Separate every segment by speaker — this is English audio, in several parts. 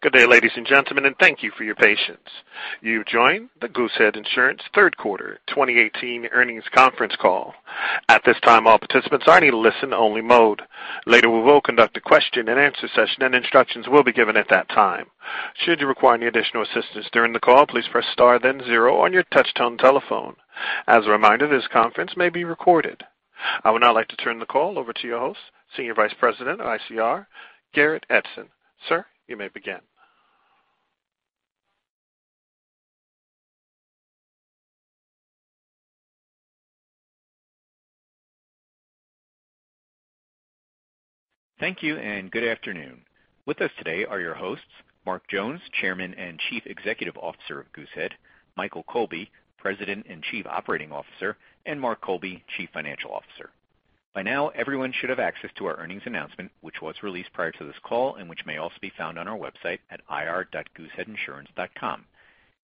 Speaker 1: Good day, ladies and gentlemen, and thank you for your patience. You've joined the Goosehead Insurance third quarter 2018 earnings conference call. At this time, all participants are in a listen only mode. Later, we will conduct a question and answer session, and instructions will be given at that time. Should you require any additional assistance during the call, please press star then zero on your touchtone telephone. As a reminder, this conference may be recorded. I would now like to turn the call over to your host, Senior Vice President of ICR, Garrett Edson. Sir, you may begin.
Speaker 2: Thank you, and good afternoon. With us today are your hosts, Mark Jones, Chairman and Chief Executive Officer of Goosehead, Michael Colby, President and Chief Operating Officer, and Mark Colby, Chief Financial Officer. By now, everyone should have access to our earnings announcement, which was released prior to this call and which may also be found on our website at ir.gooseheadinsurance.com.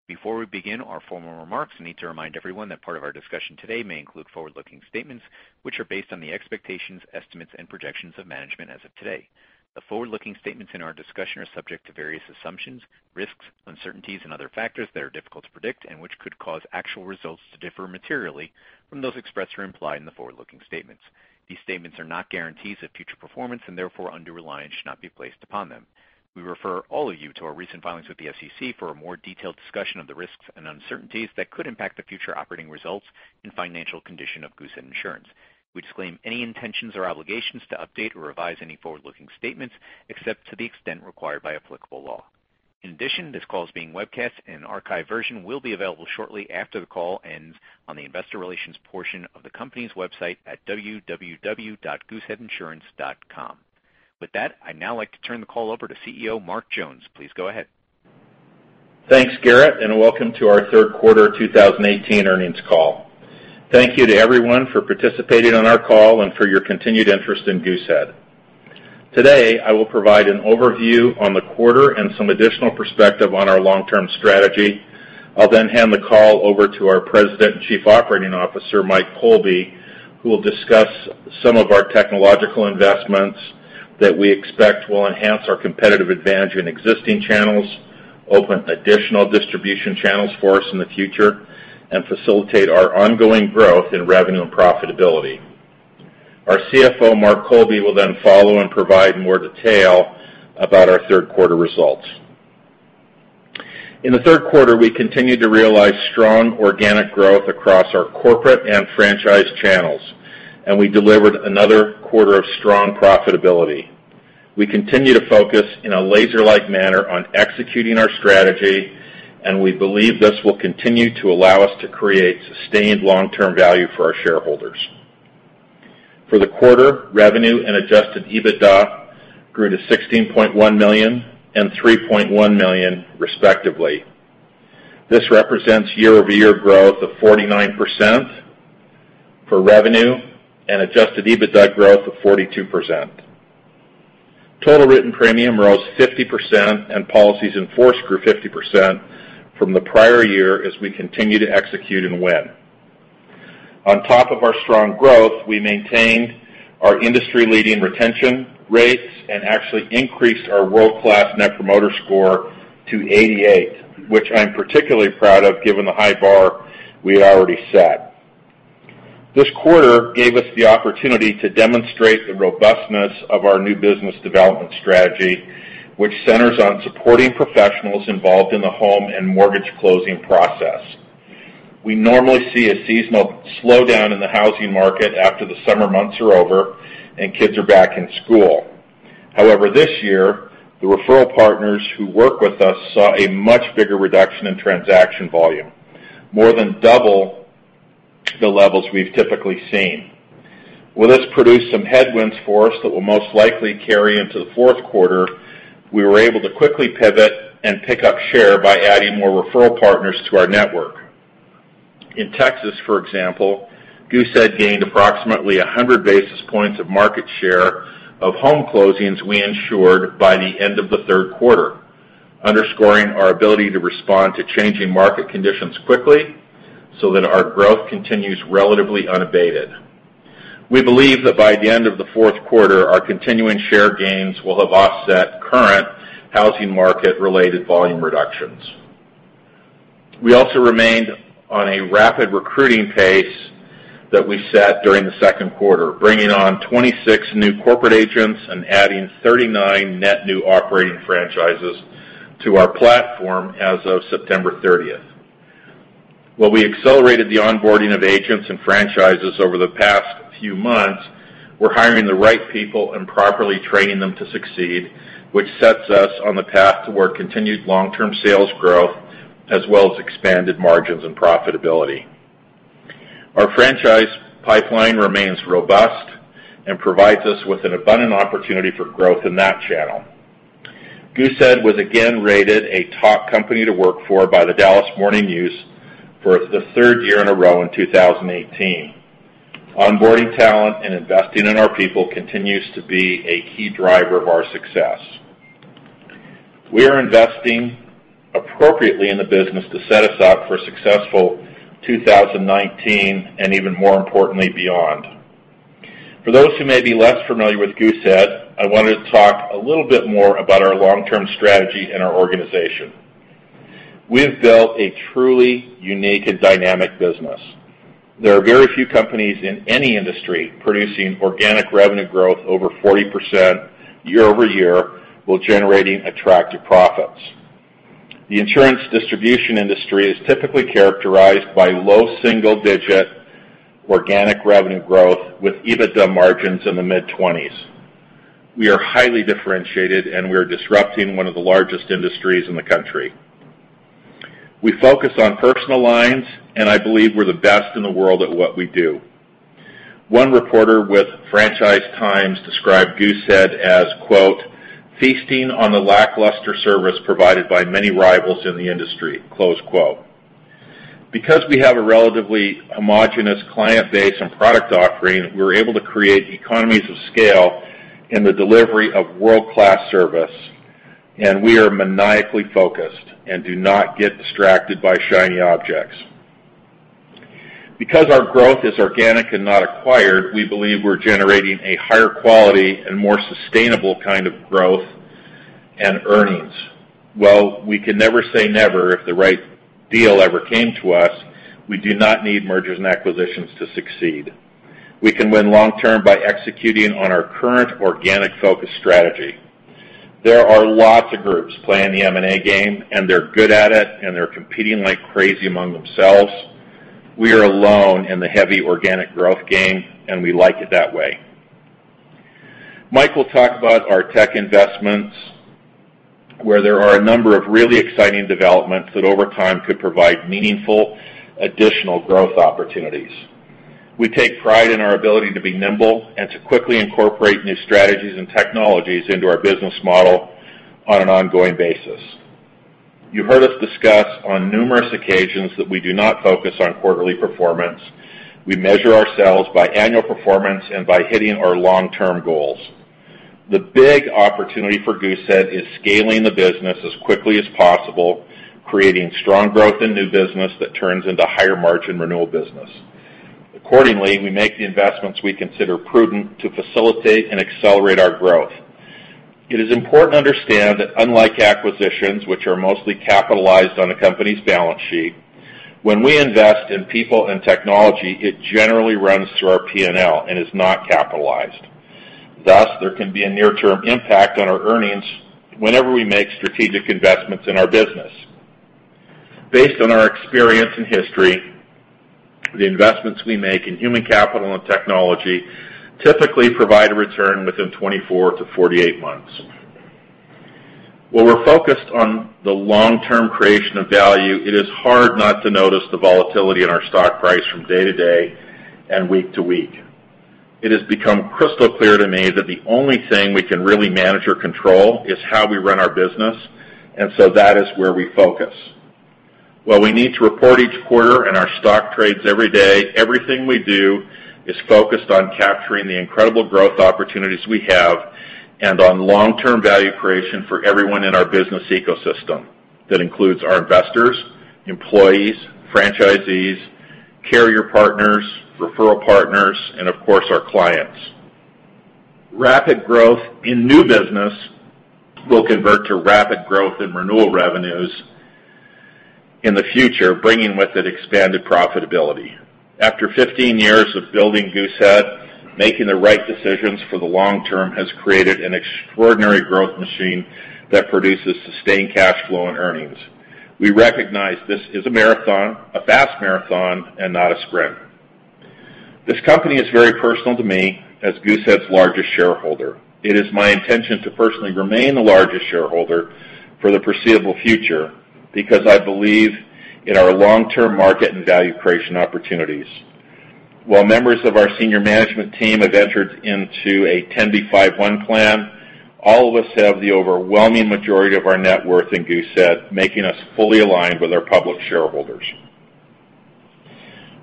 Speaker 2: Before we begin our formal remarks, I need to remind everyone that part of our discussion today may include forward-looking statements, which are based on the expectations, estimates, and projections of management as of today. The forward-looking statements in our discussion are subject to various assumptions, risks, uncertainties, and other factors that are difficult to predict and which could cause actual results to differ materially from those expressed or implied in the forward-looking statements. These statements are not guarantees of future performance and therefore undue reliance should not be placed upon them. We refer all of you to our recent filings with the SEC for a more detailed discussion of the risks and uncertainties that could impact the future operating results and financial condition of Goosehead Insurance. We disclaim any intentions or obligations to update or revise any forward-looking statements, except to the extent required by applicable law. In addition, this call is being webcast and an archive version will be available shortly after the call ends on the investor relations portion of the company's website at www.gooseheadinsurance.com. With that, I'd now like to turn the call over to CEO Mark Jones. Please go ahead.
Speaker 3: Thanks, Garrett, and welcome to our third quarter 2018 earnings call. Thank you to everyone for participating on our call and for your continued interest in Goosehead. Today, I will provide an overview on the quarter and some additional perspective on our long-term strategy. I'll then hand the call over to our President and Chief Operating Officer, Mike Colby, who will discuss some of our technological investments that we expect will enhance our competitive advantage in existing channels, open additional distribution channels for us in the future, and facilitate our ongoing growth in revenue and profitability. Our CFO, Mark Colby, will then follow and provide more detail about our third quarter results. In the third quarter, we continued to realize strong organic growth across our corporate and franchise channels, and we delivered another quarter of strong profitability. We continue to focus in a laser-like manner on executing our strategy. We believe this will continue to allow us to create sustained long-term value for our shareholders. For the quarter, revenue and adjusted EBITDA grew to $16.1 million and $3.4 million respectively. This represents year-over-year growth of 49% for revenue and adjusted EBITDA growth of 42%. Total written premium rose 50% and policies in force grew 50% from the prior year as we continue to execute and win. On top of our strong growth, we maintained our industry-leading retention rates and actually increased our world-class Net Promoter Score to 88, which I'm particularly proud of given the high bar we had already set. This quarter gave us the opportunity to demonstrate the robustness of our new business development strategy, which centers on supporting professionals involved in the home and mortgage closing process. We normally see a seasonal slowdown in the housing market after the summer months are over and kids are back in school. This year, the referral partners who work with us saw a much bigger reduction in transaction volume, more than double the levels we've typically seen. This produced some headwinds for us that will most likely carry into the fourth quarter. We were able to quickly pivot and pick up share by adding more referral partners to our network. In Texas, for example, Goosehead gained approximately 100 basis points of market share of home closings we insured by the end of the third quarter, underscoring our ability to respond to changing market conditions quickly so that our growth continues relatively unabated. We believe that by the end of the fourth quarter, our continuing share gains will have offset current housing market related volume reductions. We also remained on a rapid recruiting pace that we set during the second quarter, bringing on 26 new corporate agents and adding 39 net new operating franchises to our platform as of September 30th. We accelerated the onboarding of agents and franchises over the past few months. We're hiring the right people and properly training them to succeed, which sets us on the path toward continued long-term sales growth as well as expanded margins and profitability. Our franchise pipeline remains robust and provides us with an abundant opportunity for growth in that channel. Goosehead was again rated a top company to work for by The Dallas Morning News for the third year in a row in 2018. Onboarding talent and investing in our people continues to be a key driver of our success. We are investing appropriately in the business to set us up for a successful 2019 and even more importantly, beyond. For those who may be less familiar with Goosehead, I wanted to talk a little bit more about our long-term strategy and our organization. We have built a truly unique and dynamic business. There are very few companies in any industry producing organic revenue growth over 40% year-over-year while generating attractive profits. The insurance distribution industry is typically characterized by low single-digit organic revenue growth with EBITDA margins in the mid-20s. We are highly differentiated. We are disrupting one of the largest industries in the country. We focus on personal lines. I believe we're the best in the world at what we do. One reporter with "Franchise Times" described Goosehead as, quote, "Feasting on the lackluster service provided by many rivals in the industry," close quote. We have a relatively homogeneous client base and product offering, we're able to create economies of scale in the delivery of world-class service, and we are maniacally focused and do not get distracted by shiny objects. Our growth is organic and not acquired, we believe we're generating a higher quality and more sustainable kind of growth and earnings. While we can never say never if the right deal ever came to us, we do not need mergers and acquisitions to succeed. We can win long-term by executing on our current organic focus strategy. There are lots of groups playing the M&A game, and they're good at it, and they're competing like crazy among themselves. We are alone in the heavy organic growth game, and we like it that way. Mike will talk about our tech investments, where there are a number of really exciting developments that over time could provide meaningful additional growth opportunities. We take pride in our ability to be nimble and to quickly incorporate new strategies and technologies into our business model on an ongoing basis. You heard us discuss on numerous occasions that we do not focus on quarterly performance. We measure ourselves by annual performance and by hitting our long-term goals. The big opportunity for Goosehead is scaling the business as quickly as possible, creating strong growth in new business that turns into higher margin renewal business. Accordingly, we make the investments we consider prudent to facilitate and accelerate our growth. It is important to understand that unlike acquisitions, which are mostly capitalized on a company's balance sheet, when we invest in people and technology, it generally runs through our P&L and is not capitalized. Thus, there can be a near-term impact on our earnings whenever we make strategic investments in our business. Based on our experience and history, the investments we make in human capital and technology typically provide a return within 24 to 48 months. While we're focused on the long-term creation of value, it is hard not to notice the volatility in our stock price from day to day and week to week. It has become crystal clear to me that the only thing we can really manage or control is how we run our business, that is where we focus. While we need to report each quarter and our stock trades every day, everything we do is focused on capturing the incredible growth opportunities we have and on long-term value creation for everyone in our business ecosystem. That includes our investors, employees, franchisees, carrier partners, referral partners, and of course, our clients. Rapid growth in new business will convert to rapid growth in renewal revenues in the future, bringing with it expanded profitability. After 15 years of building Goosehead, making the right decisions for the long term has created an extraordinary growth machine that produces sustained cash flow and earnings. We recognize this is a marathon, a fast marathon, and not a sprint. This company is very personal to me as Goosehead's largest shareholder. It is my intention to personally remain the largest shareholder for the foreseeable future because I believe in our long-term market and value creation opportunities. While members of our senior management team have entered into a 10b5-1 plan, all of us have the overwhelming majority of our net worth in Goosehead, making us fully aligned with our public shareholders.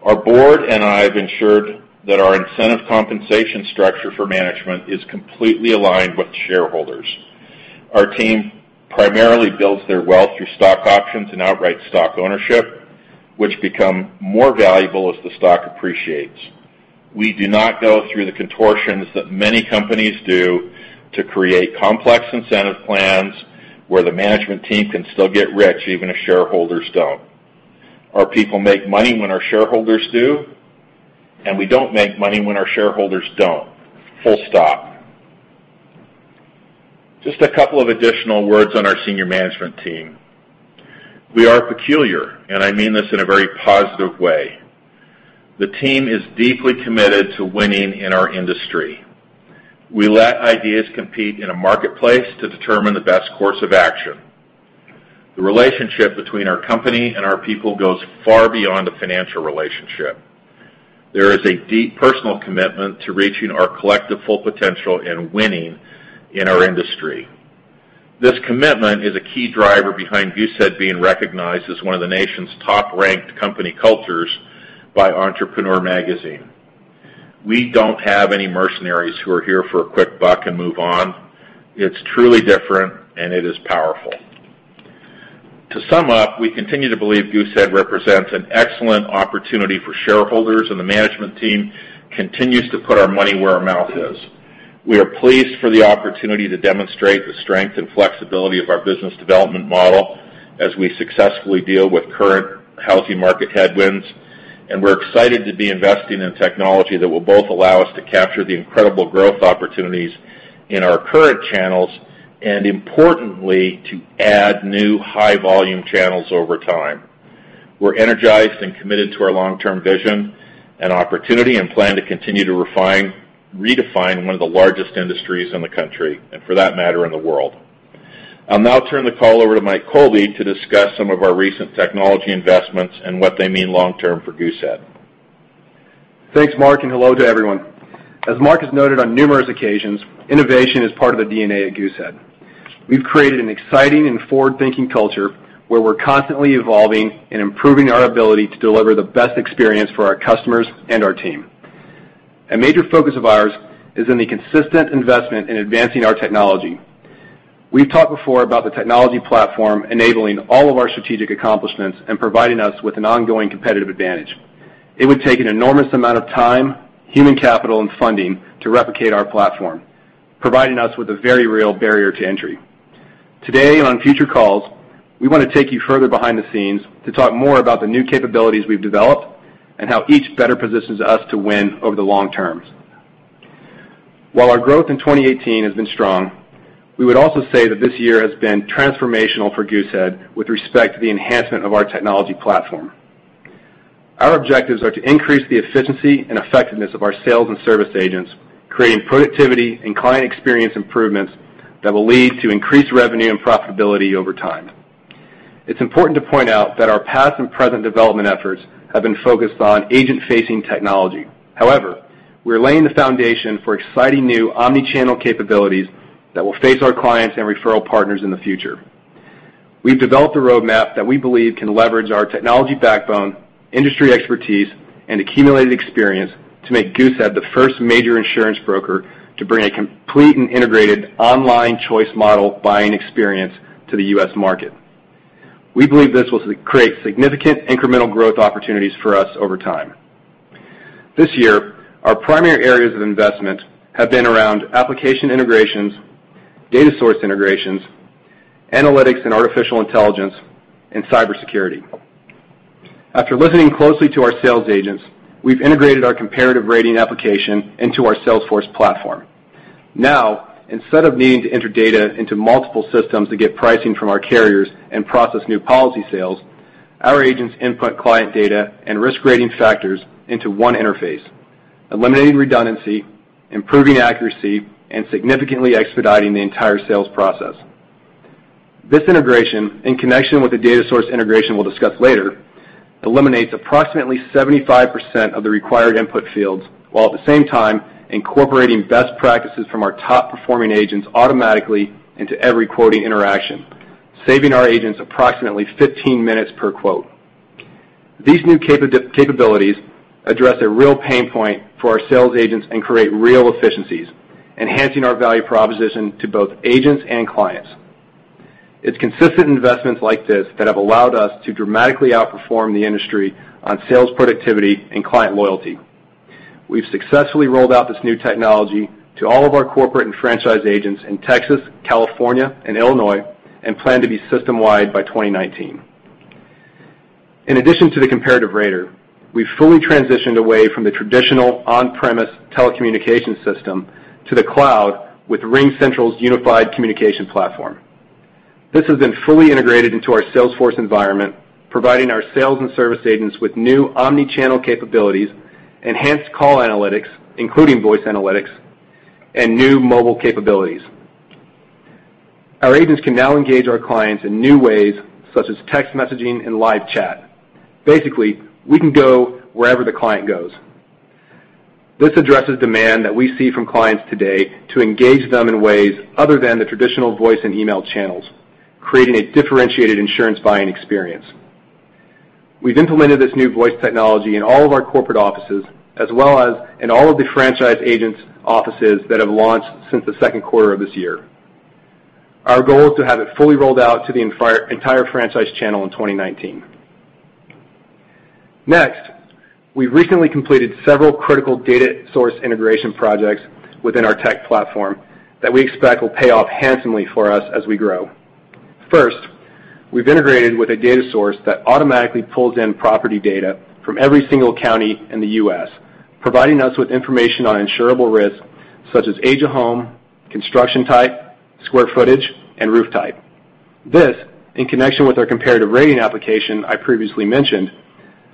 Speaker 3: Our board and I have ensured that our incentive compensation structure for management is completely aligned with shareholders. Our team primarily builds their wealth through stock options and outright stock ownership, which become more valuable as the stock appreciates. We do not go through the contortions that many companies do to create complex incentive plans where the management team can still get rich even if shareholders don't. Our people make money when our shareholders do, and we don't make money when our shareholders don't. Full stop. Just a couple of additional words on our senior management team. We are peculiar, and I mean this in a very positive way. The team is deeply committed to winning in our industry. We let ideas compete in a marketplace to determine the best course of action. The relationship between our company and our people goes far beyond a financial relationship. There is a deep personal commitment to reaching our collective full potential and winning in our industry. This commitment is a key driver behind Goosehead being recognized as one of the nation's top-ranked company cultures by Entrepreneur Magazine. We don't have any mercenaries who are here for a quick buck and move on. It's truly different. It is powerful. To sum up, we continue to believe Goosehead represents an excellent opportunity for shareholders, and the management team continues to put our money where our mouth is. We are pleased for the opportunity to demonstrate the strength and flexibility of our business development model as we successfully deal with current housing market headwinds. We're excited to be investing in technology that will both allow us to capture the incredible growth opportunities in our current channels, importantly, to add new high-volume channels over time. We're energized and committed to our long-term vision and opportunity and plan to continue to redefine one of the largest industries in the country, for that matter in the world. I'll now turn the call over to Mike Colby to discuss some of our recent technology investments and what they mean long-term for Goosehead.
Speaker 4: Thanks, Mark, and hello to everyone. As Mark has noted on numerous occasions, innovation is part of the DNA at Goosehead. We've created an exciting and forward-thinking culture where we're constantly evolving and improving our ability to deliver the best experience for our customers and our team. A major focus of ours is in the consistent investment in advancing our technology. We've talked before about the technology platform enabling all of our strategic accomplishments and providing us with an ongoing competitive advantage. It would take an enormous amount of time, human capital, and funding to replicate our platform, providing us with a very real barrier to entry. Today and on future calls, we want to take you further behind the scenes to talk more about the new capabilities we've developed and how each better positions us to win over the long term. While our growth in 2018 has been strong, we would also say that this year has been transformational for Goosehead with respect to the enhancement of our technology platform. Our objectives are to increase the efficiency and effectiveness of our sales and service agents, creating productivity and client experience improvements that will lead to increased revenue and profitability over time. It's important to point out that our past and present development efforts have been focused on agent-facing technology. However, we're laying the foundation for exciting new omni-channel capabilities that will face our clients and referral partners in the future. We've developed a roadmap that we believe can leverage our technology backbone, industry expertise, and accumulated experience to make Goosehead the first major insurance broker to bring a complete and integrated online choice model buying experience to the U.S. market. We believe this will create significant incremental growth opportunities for us over time. This year, our primary areas of investment have been around application integrations, data source integrations, analytics and artificial intelligence, and cybersecurity. After listening closely to our sales agents, we've integrated our comparative rating application into our Salesforce platform. Now, instead of needing to enter data into multiple systems to get pricing from our carriers and process new policy sales, our agents input client data and risk-rating factors into one interface, eliminating redundancy, improving accuracy, and significantly expediting the entire sales process. This integration, in connection with the data source integration we'll discuss later, eliminates approximately 75% of the required input fields, while at the same time incorporating best practices from our top-performing agents automatically into every quoting interaction, saving our agents approximately 15 minutes per quote. These new capabilities address a real pain point for our sales agents and create real efficiencies, enhancing our value proposition to both agents and clients. It's consistent investments like this that have allowed us to dramatically outperform the industry on sales productivity and client loyalty. We've successfully rolled out this new technology to all of our corporate and franchise agents in Texas, California, and Illinois, and plan to be system-wide by 2019. In addition to the comparative rater, we've fully transitioned away from the traditional on-premise telecommunication system to the cloud with RingCentral's unified communication platform. This has been fully integrated into our Salesforce environment, providing our sales and service agents with new omni-channel capabilities, enhanced call analytics, including voice analytics, and new mobile capabilities. Our agents can now engage our clients in new ways, such as text messaging and live chat. Basically, we can go wherever the client goes. This addresses demand that we see from clients today to engage them in ways other than the traditional voice and email channels, creating a differentiated insurance buying experience. We've implemented this new voice technology in all of our corporate offices, as well as in all of the franchise agents' offices that have launched since the second quarter of this year. Our goal is to have it fully rolled out to the entire franchise channel in 2019. Next, we recently completed several critical data source integration projects within our tech platform that we expect will pay off handsomely for us as we grow. First, we've integrated with a data source that automatically pulls in property data from every single county in the U.S., providing us with information on insurable risk, such as age of home, construction type, square footage, and roof type. This, in connection with our comparative rating application I previously mentioned,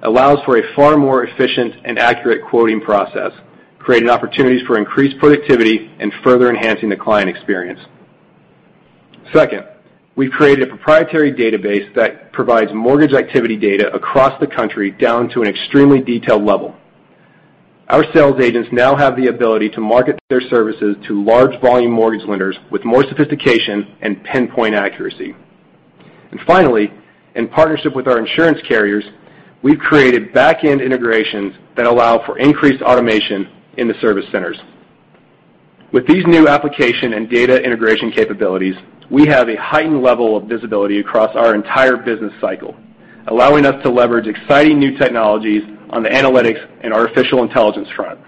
Speaker 4: allows for a far more efficient and accurate quoting process, creating opportunities for increased productivity and further enhancing the client experience. Second, we've created a proprietary database that provides mortgage activity data across the country down to an extremely detailed level. Our sales agents now have the ability to market their services to large volume mortgage lenders with more sophistication and pinpoint accuracy. Finally, in partnership with our insurance carriers, we've created back-end integrations that allow for increased automation in the service centers. With these new application and data integration capabilities, we have a heightened level of visibility across our entire business cycle, allowing us to leverage exciting new technologies on the analytics and artificial intelligence front.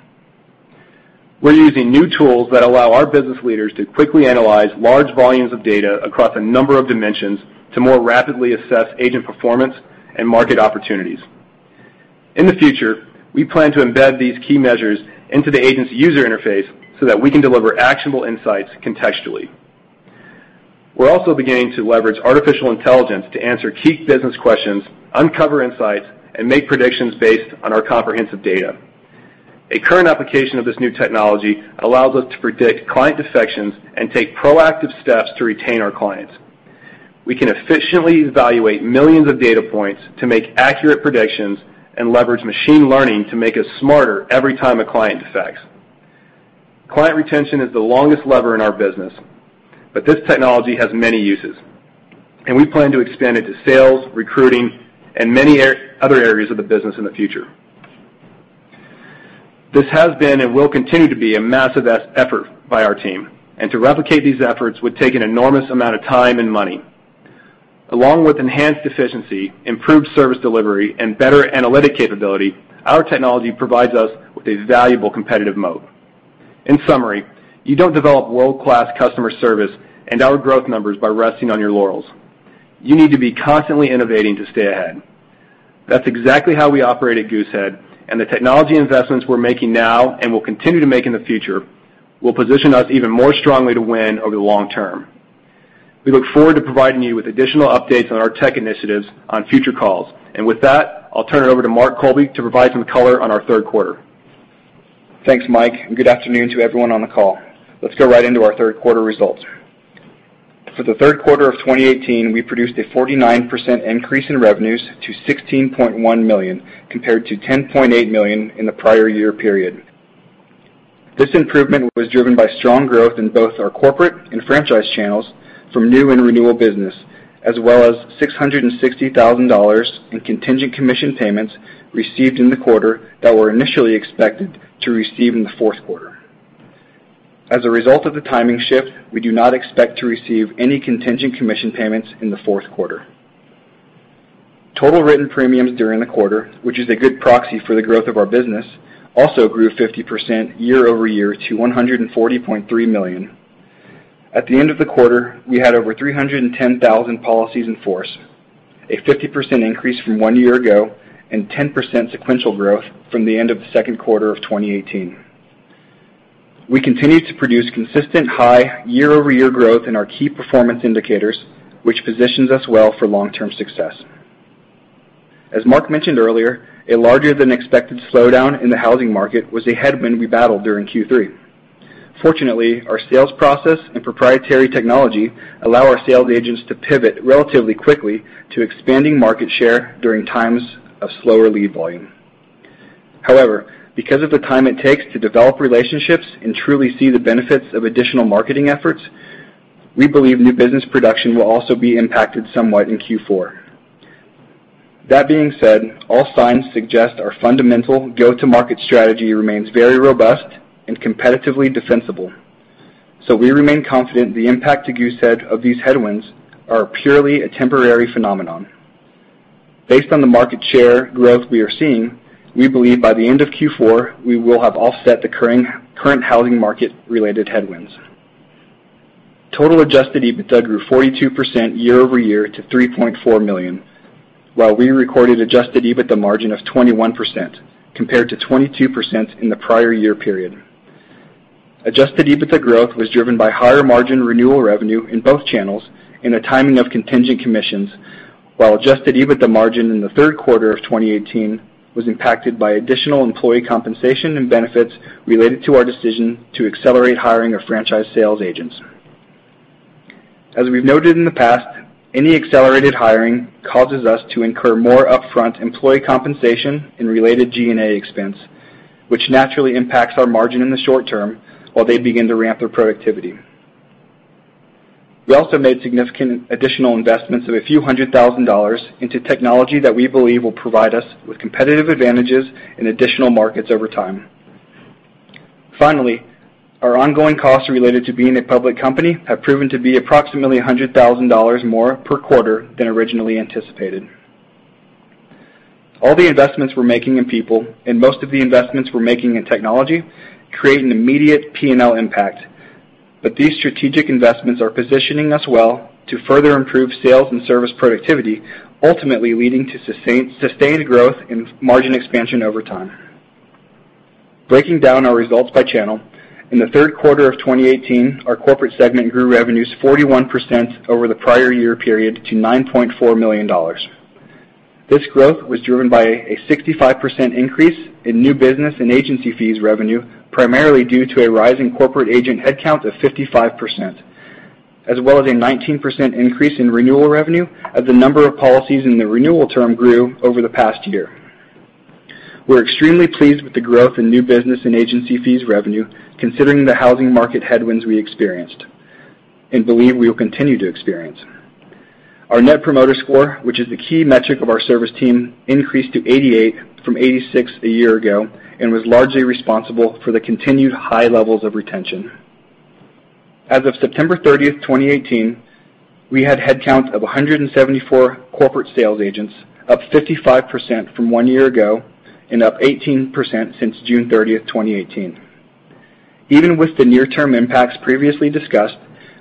Speaker 4: We're using new tools that allow our business leaders to quickly analyze large volumes of data across a number of dimensions to more rapidly assess agent performance and market opportunities. In the future, we plan to embed these key measures into the agent's user interface so that we can deliver actionable insights contextually. We're also beginning to leverage artificial intelligence to answer key business questions, uncover insights, and make predictions based on our comprehensive data. A current application of this new technology allows us to predict client defections and take proactive steps to retain our clients. We can efficiently evaluate millions of data points to make accurate predictions and leverage machine learning to make us smarter every time a client defects. Client retention is the longest lever in our business, this technology has many uses, and we plan to expand it to sales, recruiting, and many other areas of the business in the future. This has been and will continue to be a massive effort by our team, to replicate these efforts would take an enormous amount of time and money. Along with enhanced efficiency, improved service delivery, and better analytic capability, our technology provides us with a valuable competitive moat. In summary, you don't develop world-class customer service and our growth numbers by resting on your laurels. You need to be constantly innovating to stay ahead. That's exactly how we operate at Goosehead, the technology investments we're making now, and will continue to make in the future, will position us even more strongly to win over the long term. We look forward to providing you with additional updates on our tech initiatives on future calls. With that, I'll turn it over to Mark Colby to provide some color on our third quarter.
Speaker 5: Thanks, Mike, and good afternoon to everyone on the call. Let's go right into our third quarter results. For the third quarter of 2018, we produced a 49% increase in revenues to $16.1 million, compared to $10.8 million in the prior year period. This improvement was driven by strong growth in both our corporate and franchise channels from new and renewal business, as well as $660,000 in contingent commission payments received in the quarter that were initially expected to receive in the fourth quarter. As a result of the timing shift, we do not expect to receive any contingent commission payments in the fourth quarter. Total written premiums during the quarter, which is a good proxy for the growth of our business, also grew 50% year-over-year to $140.3 million. At the end of the quarter, we had over 310,000 policies in force, a 50% increase from one year ago and 10% sequential growth from the end of the second quarter of 2018. We continue to produce consistent high year-over-year growth in our key performance indicators, which positions us well for long-term success. As Mike mentioned earlier, a larger than expected slowdown in the housing market was a headwind we battled during Q3. Fortunately, our sales process and proprietary technology allow our sales agents to pivot relatively quickly to expanding market share during times of slower lead volume. However, because of the time it takes to develop relationships and truly see the benefits of additional marketing efforts, we believe new business production will also be impacted somewhat in Q4. All signs suggest our fundamental go-to-market strategy remains very robust and competitively defensible. We remain confident the impact to Goosehead of these headwinds are purely a temporary phenomenon. Based on the market share growth we are seeing, we believe by the end of Q4, we will have offset the current housing market related headwinds. Total adjusted EBITDA grew 42% year-over-year to $3.4 million, while we recorded adjusted EBITDA margin of 21%, compared to 22% in the prior year period. Adjusted EBITDA growth was driven by higher margin renewal revenue in both channels and the timing of contingent commissions, while adjusted EBITDA margin in the third quarter of 2018 was impacted by additional employee compensation and benefits related to our decision to accelerate hiring of franchise sales agents. As we've noted in the past, any accelerated hiring causes us to incur more upfront employee compensation and related G&A expense, which naturally impacts our margin in the short term while they begin to ramp their productivity. We also made significant additional investments of a few hundred thousand dollars into technology that we believe will provide us with competitive advantages in additional markets over time. Finally, our ongoing costs related to being a public company have proven to be approximately $100,000 more per quarter than originally anticipated. All the investments we're making in people and most of the investments we're making in technology create an immediate P&L impact. These strategic investments are positioning us well to further improve sales and service productivity, ultimately leading to sustained growth and margin expansion over time. Breaking down our results by channel. In the third quarter of 2018, our corporate segment grew revenues 41% over the prior year period to $9.4 million. This growth was driven by a 65% increase in new business and agency fees revenue, primarily due to a rise in corporate agent headcount of 55%, as well as a 19% increase in renewal revenue as the number of policies in the renewal term grew over the past year. We're extremely pleased with the growth in new business and agency fees revenue, considering the housing market headwinds we experienced and believe we will continue to experience. Our Net Promoter Score, which is the key metric of our service team, increased to 88 from 86 a year ago and was largely responsible for the continued high levels of retention. As of September 30, 2018, we had a headcount of 174 corporate sales agents, up 55% from one year ago and up 18% since June 30, 2018. Even with the near-term impacts previously discussed,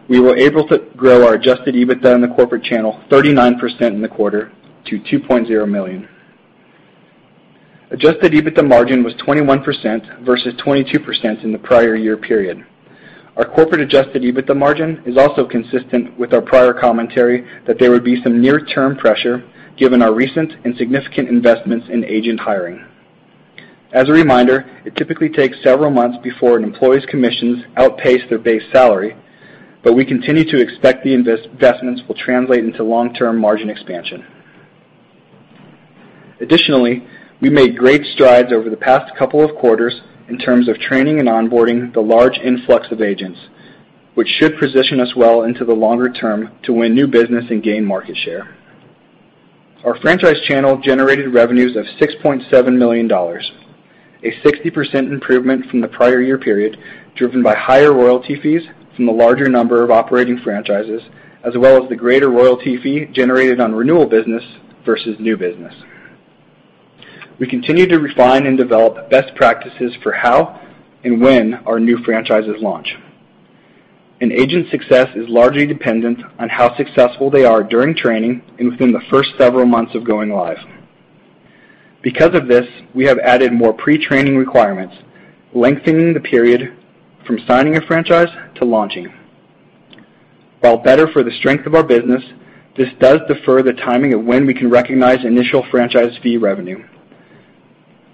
Speaker 5: we were able to grow our adjusted EBITDA in the corporate channel 39% in the quarter to $2.0 million. Adjusted EBITDA margin was 21% versus 22% in the prior year period. Our corporate adjusted EBITDA margin is also consistent with our prior commentary that there would be some near-term pressure given our recent and significant investments in agent hiring. As a reminder, it typically takes several months before an employee's commissions outpace their base salary, but we continue to expect the investments will translate into long-term margin expansion. Additionally, we made great strides over the past couple of quarters in terms of training and onboarding the large influx of agents, which should position us well into the longer term to win new business and gain market share. Our franchise channel generated revenues of $6.7 million, a 60% improvement from the prior year period, driven by higher royalty fees from the larger number of operating franchises, as well as the greater royalty fee generated on renewal business versus new business. We continue to refine and develop best practices for how and when our new franchises launch. An agent's success is largely dependent on how successful they are during training and within the first several months of going live. Because of this, we have added more pre-training requirements, lengthening the period from signing a franchise to launching. While better for the strength of our business, this does defer the timing of when we can recognize initial franchise fee revenue.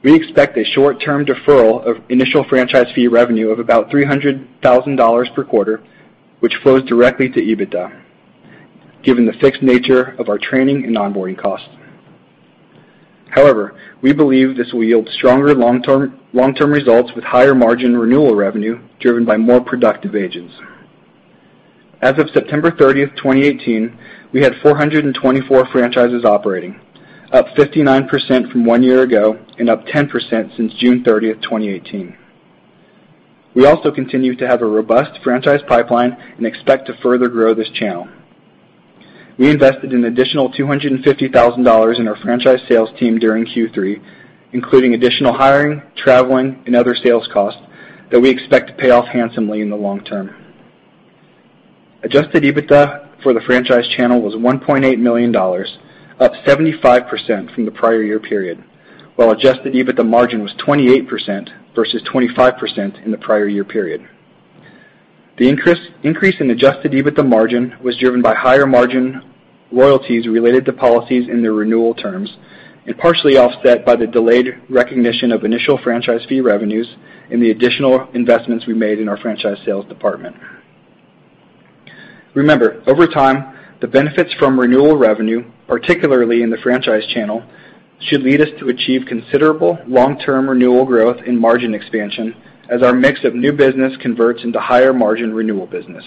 Speaker 5: We expect a short-term deferral of initial franchise fee revenue of about $300,000 per quarter, which flows directly to EBITDA, given the fixed nature of our training and onboarding costs. However, we believe this will yield stronger long-term results with higher margin renewal revenue driven by more productive agents. As of September 30, 2018, we had 424 franchises operating, up 59% from one year ago and up 10% since June 30, 2018. We also continue to have a robust franchise pipeline and expect to further grow this channel. We invested an additional $250,000 in our franchise sales team during Q3, including additional hiring, traveling, and other sales costs that we expect to pay off handsomely in the long term. Adjusted EBITDA for the franchise channel was $1.8 million, up 75% from the prior year period, while adjusted EBITDA margin was 28% versus 25% in the prior year period. The increase in adjusted EBITDA margin was driven by higher margin royalties related to policies in the renewal terms and partially offset by the delayed recognition of initial franchise fee revenues and the additional investments we made in our franchise sales department. Remember, over time, the benefits from renewal revenue, particularly in the franchise channel, should lead us to achieve considerable long-term renewal growth and margin expansion as our mix of new business converts into higher margin renewal business.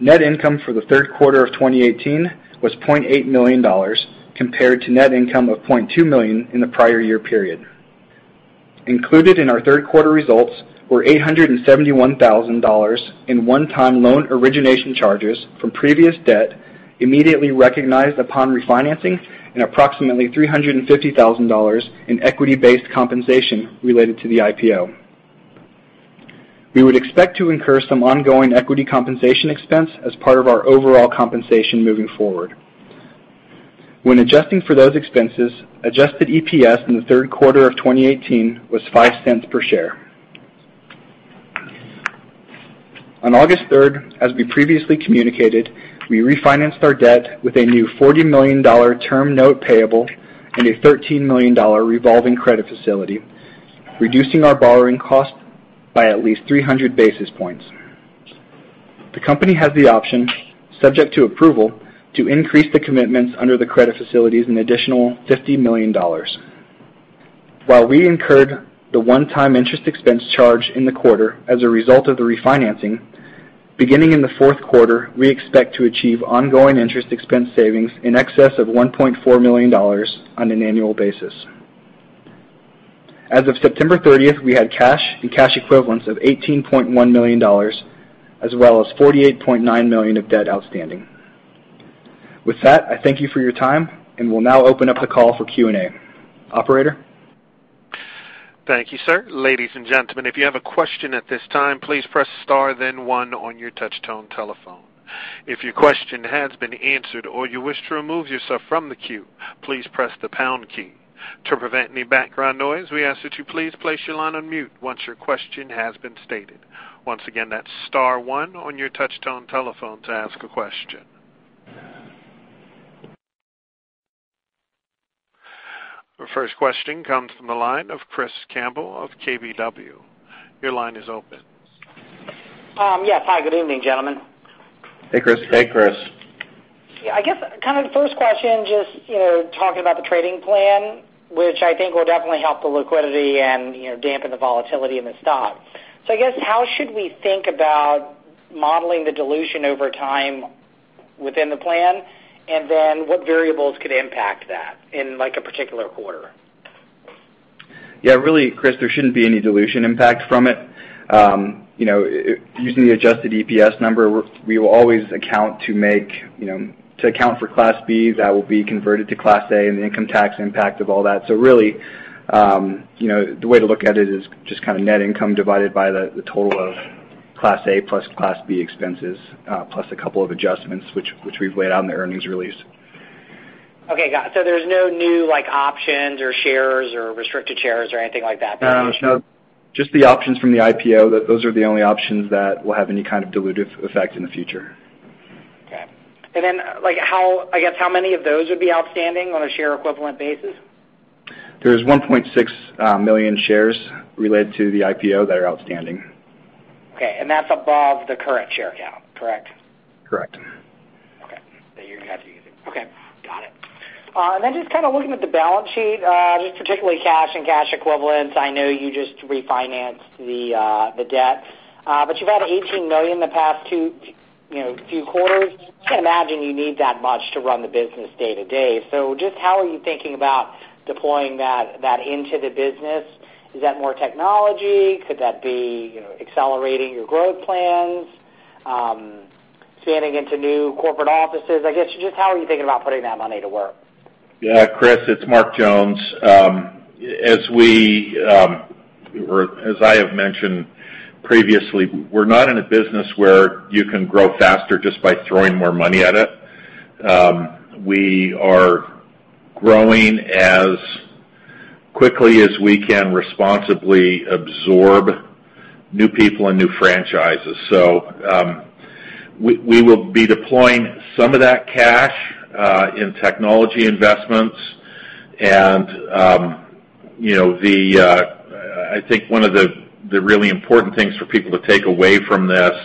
Speaker 5: Net income for the third quarter of 2018 was $0.8 million compared to net income of $0.2 million in the prior year period. Included in our third quarter results were $871,000 in one-time loan origination charges from previous debt immediately recognized upon refinancing and approximately $350,000 in equity-based compensation related to the IPO. We would expect to incur some ongoing equity compensation expense as part of our overall compensation moving forward. When adjusting for those expenses, adjusted EPS in the third quarter of 2018 was $0.05 per share. On August 3rd, as we previously communicated, we refinanced our debt with a new $40 million term note payable and a $13 million revolving credit facility, reducing our borrowing cost by at least 300 basis points. The company has the option, subject to approval, to increase the commitments under the credit facilities an additional $50 million. While we incurred the one-time interest expense charge in the quarter as a result of the refinancing, beginning in the fourth quarter, we expect to achieve ongoing interest expense savings in excess of $1.4 million on an annual basis. As of September 30th, we had cash and cash equivalents of $18.1 million, as well as $48.9 million of debt outstanding. With that, I thank you for your time, and we'll now open up the call for Q&A. Operator?
Speaker 1: Thank you, sir. Ladies and gentlemen, if you have a question at this time, please press star then one on your touch-tone telephone. If your question has been answered or you wish to remove yourself from the queue, please press the pound key. To prevent any background noise, we ask that you please place your line on mute once your question has been stated. Once again, that's star one on your touch-tone telephone to ask a question. Our first question comes from the line of Christopher Campbell of KBW. Your line is open.
Speaker 3: Hey, Chris.
Speaker 6: Yeah, I guess kind of the first question, just talking about the trading plan, which I think will definitely help the liquidity and dampen the volatility in the stock. I guess, how should we think about modeling the dilution over time within the plan? What variables could impact that in a particular quarter?
Speaker 4: Yeah, really, Chris, there shouldn't be any dilution impact from it. Using the adjusted EPS number, we will always account for Class Bs that will be converted to Class A and the income tax impact of all that. Really, the way to look at it is just net income divided by the total of Class A plus Class B expenses, plus a couple of adjustments, which we've laid out in the earnings release.
Speaker 6: Okay, got it. There's no new options or shares or restricted shares or anything like that?
Speaker 4: No. Just the options from the IPO. Those are the only options that will have any kind of dilutive effect in the future.
Speaker 6: Okay. I guess how many of those would be outstanding on a share equivalent basis?
Speaker 4: There's 1.6 million shares related to the IPO that are outstanding.
Speaker 6: Okay. That's above the current share count, correct?
Speaker 4: Correct.
Speaker 6: Okay. That you're going to have to use it. Okay. Got it. Just kind of looking at the balance sheet, just particularly cash and cash equivalents. I know you just refinanced the debt. You've had $18 million the past few quarters. I can't imagine you need that much to run the business day-to-day. Just how are you thinking about deploying that into the business? Is that more technology? Could that be accelerating your growth plans, spanning into new corporate offices? I guess, just how are you thinking about putting that money to work?
Speaker 3: Yeah, Chris, it's Mark Jones. As I have mentioned previously, we're not in a business where you can grow faster just by throwing more money at it. We are growing as quickly as we can responsibly absorb new people and new franchises. We will be deploying some of that cash in technology investments. I think one of the really important things for people to take away from this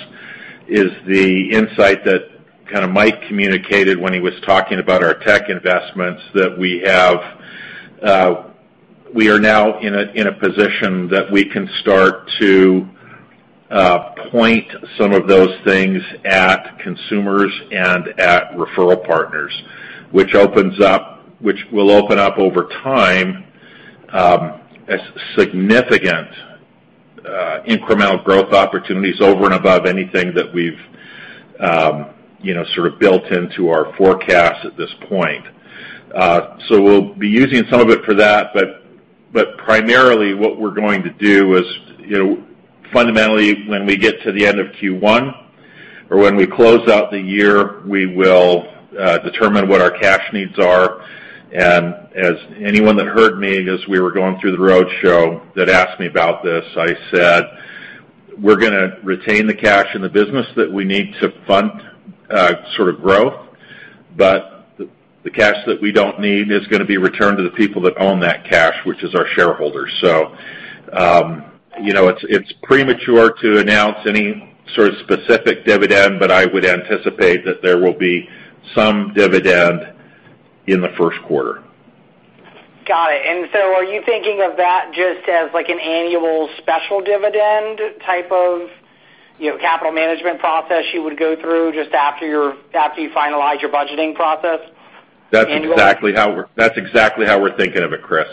Speaker 3: is the insight that Mike communicated when he was talking about our tech investments that we are now in a position that we can start to point some of those things at consumers and at referral partners. Which will open up over time, a significant incremental growth opportunities over and above anything that we've sort of built into our forecast at this point. We'll be using some of it for that, but primarily what we're going to do is, fundamentally, when we get to the end of Q1 or when we close out the year, we will determine what our cash needs are. As anyone that heard me as we were going through the roadshow that asked me about this, I said, we're going to retain the cash in the business that we need to fund sort of growth. The cash that we don't need is going to be returned to the people that own that cash, which is our shareholders. It's premature to announce any sort of specific dividend, but I would anticipate that there will be some dividend in the first quarter.
Speaker 6: Got it. Are you thinking of that just as like an annual special dividend type of capital management process you would go through just after you finalize your budgeting process?
Speaker 3: That's exactly how we're thinking of it, Chris.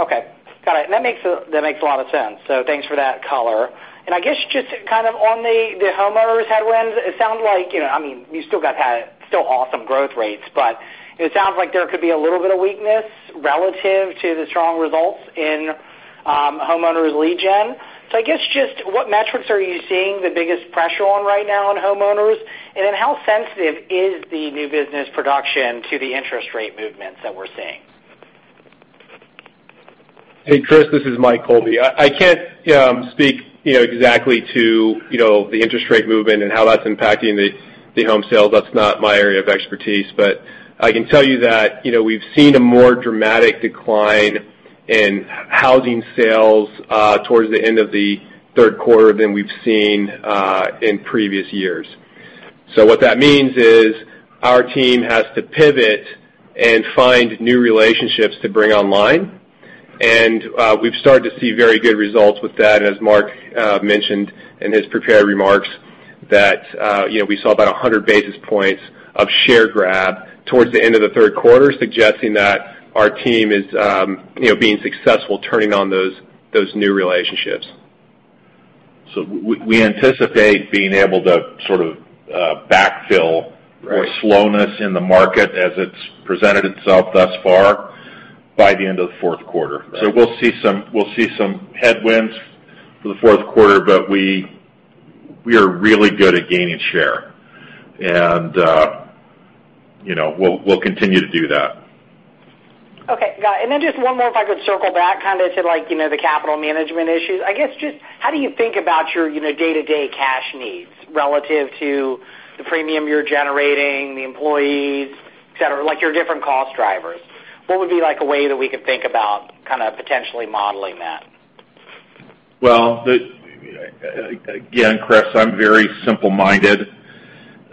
Speaker 6: Okay. Got it. That makes a lot of sense. Thanks for that color. I guess just kind of on the homeowners headwinds, it sounds like, I mean, you still got kind of still awesome growth rates, but it sounds like there could be a little bit of weakness relative to the strong results in homeowners lead gen. I guess just what metrics are you seeing the biggest pressure on right now on homeowners? Then how sensitive is the new business production to the interest rate movements that we're seeing?
Speaker 4: Hey, Chris, this is Mike Colby. I cannot speak exactly to the interest rate movement and how that's impacting the home sales. That's not my area of expertise. I can tell you that we've seen a more dramatic decline in housing sales towards the end of the third quarter than we've seen in previous years. What that means is our team has to pivot and find new relationships to bring online. We've started to see very good results with that. As Mark mentioned in his prepared remarks that we saw about 100 basis points of share grab towards the end of the third quarter, suggesting that our team is being successful turning on those new relationships.
Speaker 3: We anticipate being able to sort of backfill.
Speaker 4: Right
Speaker 3: for slowness in the market as it's presented itself thus far, by the end of the fourth quarter.
Speaker 4: Right.
Speaker 3: We'll see some headwinds for the fourth quarter, but we are really good at gaining share. We'll continue to do that.
Speaker 6: Okay, got it. Then just one more, if I could circle back kind of to the capital management issue. I guess, just how do you think about your day-to-day cash needs relative to the premium you're generating, the employees, et cetera, like your different cost drivers? What would be like a way that we could think about kind of potentially modeling that?
Speaker 3: Well, again, Chris, I'm very simple-minded.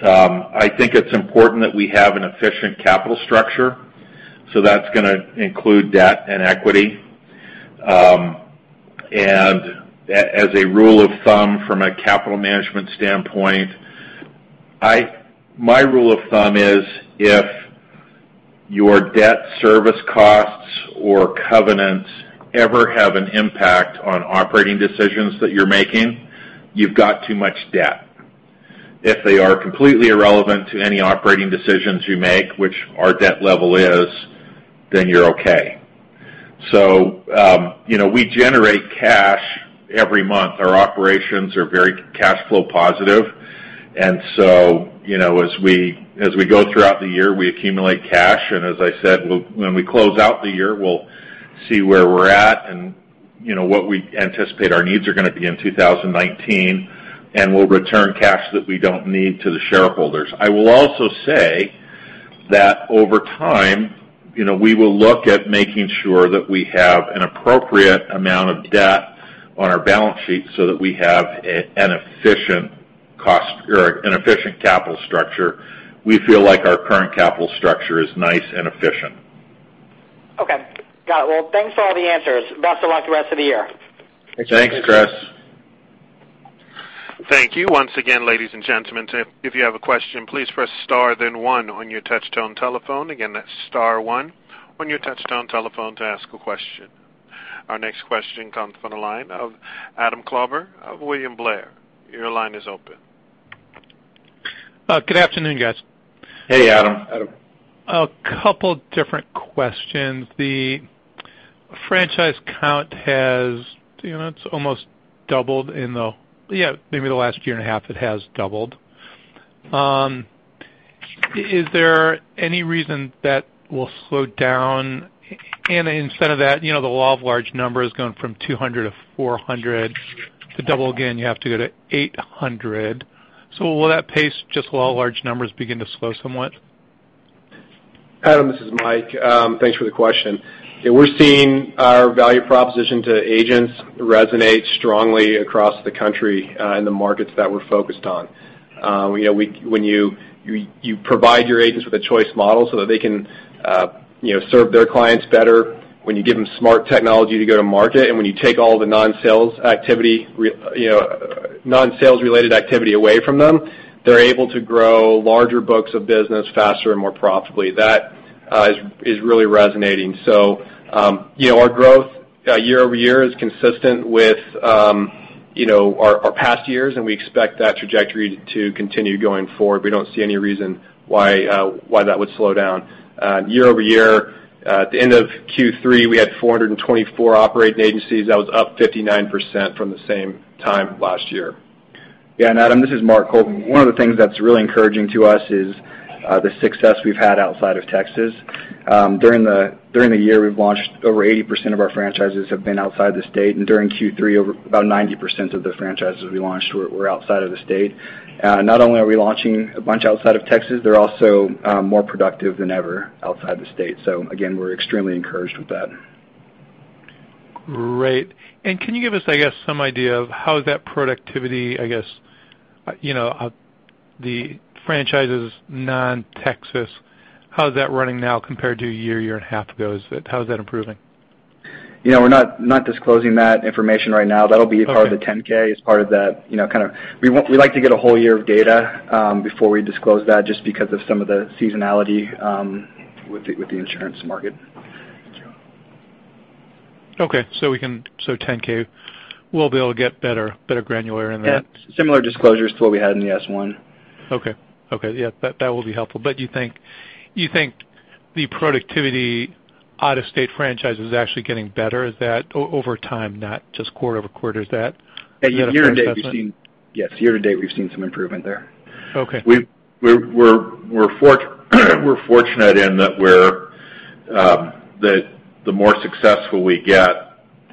Speaker 3: I think it's important that we have an efficient capital structure. That's going to include debt and equity. As a rule of thumb from a capital management standpoint My rule of thumb is if your debt service costs or covenants ever have an impact on operating decisions that you're making, you've got too much debt. If they are completely irrelevant to any operating decisions you make, which our debt level is, then you're okay. We generate cash every month. Our operations are very cash flow positive. As we go throughout the year, we accumulate cash, and as I said, when we close out the year, we'll see where we're at and what we anticipate our needs are going to be in 2019, and we'll return cash that we don't need to the shareholders. I will also say that over time, we will look at making sure that we have an appropriate amount of debt on our balance sheet so that we have an efficient capital structure. We feel like our current capital structure is nice and efficient.
Speaker 6: Okay. Got it. Well, thanks for all the answers. Best of luck the rest of the year.
Speaker 3: Thanks, Chris.
Speaker 1: Thank you once again, ladies and gentlemen. If you have a question, please press star then one on your touchtone telephone. Again, that's star one on your touchtone telephone to ask a question. Our next question comes from the line of Adam Klauber of William Blair. Your line is open.
Speaker 7: Good afternoon, guys.
Speaker 3: Hey, Adam.
Speaker 1: Adam.
Speaker 7: A couple different questions. The franchise count has almost doubled in maybe the last year and a half, it has doubled. Is there any reason that will slow down? Instead of that, the law of large numbers going from 200 to 400. To double again, you have to go to 800. Will that pace, just law of large numbers, begin to slow somewhat?
Speaker 4: Adam, this is Mike. Thanks for the question. We're seeing our value proposition to agents resonate strongly across the country in the markets that we're focused on. When you provide your agents with a choice model so that they can serve their clients better, when you give them smart technology to go to market, and when you take all the non-sales related activity away from them, they're able to grow larger books of business faster and more profitably. That is really resonating. Our growth year-over-year is consistent with our past years, and we expect that trajectory to continue going forward. We don't see any reason why that would slow down. Year-over-year, at the end of Q3, we had 424 operating agencies. That was up 59% from the same time last year.
Speaker 5: Yeah, Adam, this is Mark Colby. One of the things that's really encouraging to us is the success we've had outside of Texas. During the year, we've launched over 80% of our franchises have been outside the state, and during Q3, over about 90% of the franchises we launched were outside of the state. Not only are we launching a bunch outside of Texas, they're also more productive than ever outside the state. Again, we're extremely encouraged with that.
Speaker 7: Great. Can you give us some idea of how that productivity, the franchises non-Texas, how's that running now compared to a year and a half ago? How is that improving?
Speaker 4: We're not disclosing that information right now. That'll be part of the 10-K.
Speaker 7: Okay.
Speaker 4: We like to get a whole year of data before we disclose that, just because of some of the seasonality with the insurance market.
Speaker 7: 10-K, we'll be able to get better granularity in that.
Speaker 4: Similar disclosures to what we had in the S-1.
Speaker 7: That will be helpful. You think the productivity out-of-state franchises is actually getting better. Is that over time, not just quarter-over-quarter? Is that a fair assessment?
Speaker 4: Year-to-date, we've seen some improvement there.
Speaker 7: Okay.
Speaker 3: We're fortunate in that the more successful we get,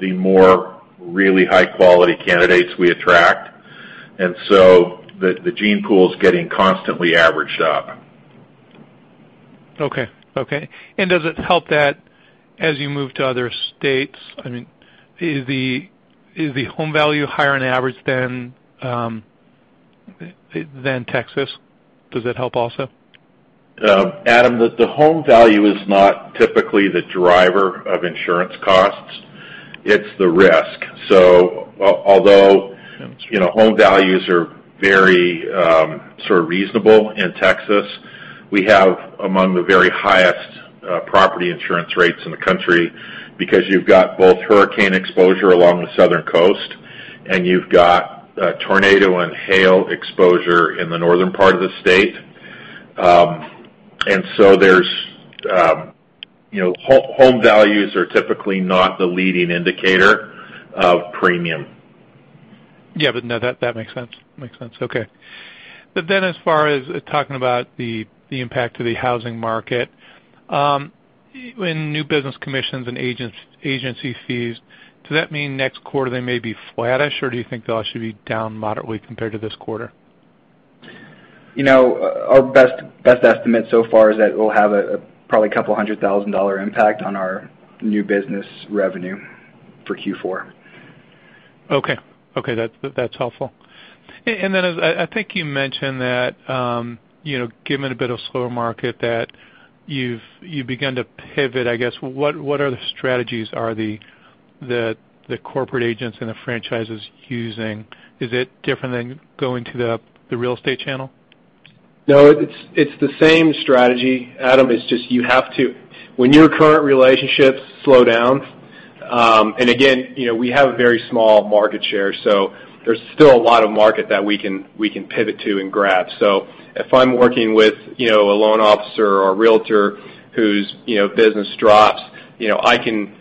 Speaker 3: the more really high-quality candidates we attract. The gene pool is getting constantly averaged up.
Speaker 7: Okay. Does it help that as you move to other states, is the home value higher on average than Texas? Does that help also?
Speaker 3: Adam, the home value is not typically the driver of insurance costs. It's the risk. Although home values are very reasonable in Texas, we have among the very highest property insurance rates in the country because you've got both hurricane exposure along the southern coast, and you've got tornado and hail exposure in the northern part of the state. Home values are typically not the leading indicator of premium.
Speaker 7: Yeah. But no, that makes sense. Okay. As far as talking about the impact to the housing market, when new business commissions and agency fees, does that mean next quarter they may be flattish, or do you think they'll actually be down moderately compared to this quarter?
Speaker 4: Our best estimate so far is that we'll have probably a $200,000 impact on our new business revenue for Q4.
Speaker 7: Okay. That's helpful. Then I think you mentioned that given a bit of slower market, that you've begun to pivot, I guess. What other strategies are the corporate agents and the franchises using, is it different than going to the real estate channel?
Speaker 4: No, it's the same strategy, Adam. It's just you have to When your current relationships slow down, again, we have a very small market share, there's still a lot of market that we can pivot to and grab. If I'm working with a loan officer or a realtor whose business drops, I can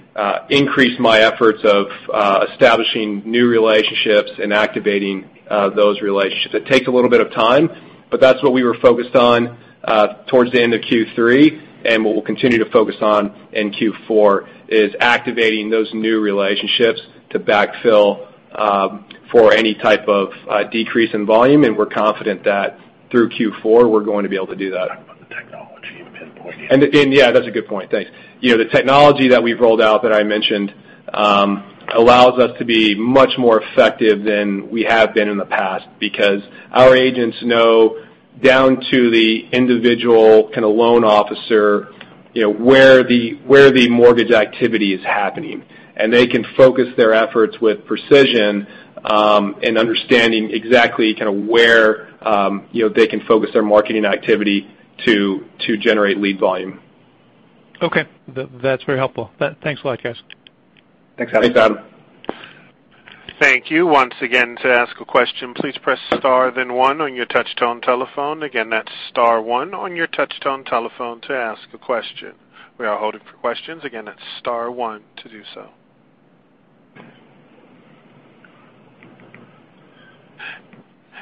Speaker 4: increase my efforts of establishing new relationships and activating those relationships. It takes a little bit of time, but that's what we were focused on towards the end of Q3, what we'll continue to focus on in Q4, is activating those new relationships to backfill for any type of decrease in volume, we're confident that through Q4, we're going to be able to do that.
Speaker 7: Talk about the technology and pinpoint it.
Speaker 4: Yeah, that's a good point. Thanks. The technology that we've rolled out that I mentioned allows us to be much more effective than we have been in the past because our agents know down to the individual loan officer, where the mortgage activity is happening. They can focus their efforts with precision in understanding exactly where they can focus their marketing activity to generate lead volume.
Speaker 7: Okay. That's very helpful. Thanks a lot, guys.
Speaker 4: Thanks, Adam.
Speaker 1: Thank you. Once again, to ask a question, please press star then one on your touch-tone telephone. Again, that's star one on your touch-tone telephone to ask a question. We are holding for questions. Again, that's star one to do so.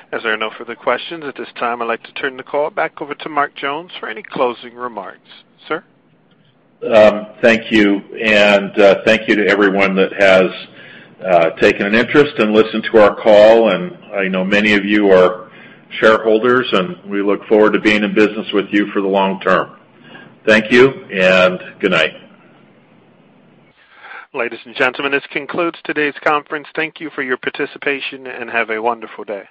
Speaker 1: There are no further questions at this time, I'd like to turn the call back over to Mark Jones for any closing remarks. Sir?
Speaker 3: Thank you, thank you to everyone that has taken an interest and listened to our call. I know many of you are shareholders, and we look forward to being in business with you for the long term. Thank you, and good night.
Speaker 1: Ladies and gentlemen, this concludes today's conference. Thank you for your participation, and have a wonderful day.